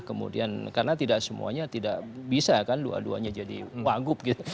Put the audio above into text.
kemudian karena tidak semuanya tidak bisa kan dua duanya jadi wagub gitu